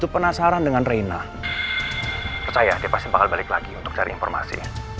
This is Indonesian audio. percaya dia pasti bakal balik lagi untuk cari informasi